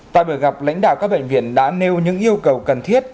tại buổi gặp lãnh đạo các bệnh viện đã nêu những yêu cầu cần thiết